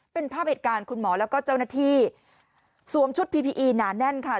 เป็นภาพเหตุการณ์คุณหมอแล้วก็เจ้าหน้าที่สวมชุดพีพีอีหนาแน่นค่ะ